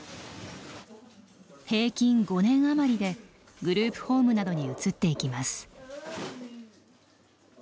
平均５年余りでグループホームなどに移っていきます。